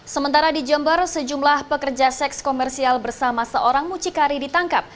sementara di jember sejumlah pekerja seks komersial bersama seorang mucikari ditangkap